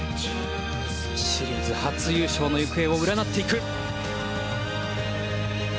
シリーズ初優勝の行方を占っていく。